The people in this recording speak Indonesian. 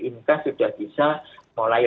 incat sudah bisa mulai